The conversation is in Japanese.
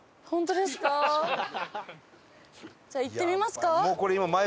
じゃあ行ってみますか。